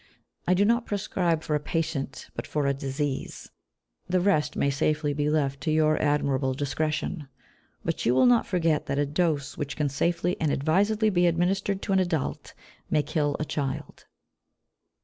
I do not prescribe for a patient, but for a disease; the rest may safely be left to your admirable discretion; but you will not forget that a dose which can safely and advisedly be administered to an adult may kill a child.